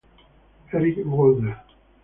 Erick Walder